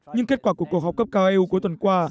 nhưng kết quả của cuộc họp cấp cao eu cuối tuần qua